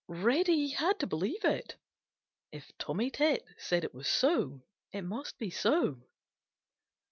Reddy had to believe it. If Tommy Tit said it was so, it must be so.